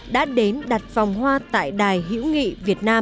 đã đến đặt vòng hoa tại đài hữu nghị việt nam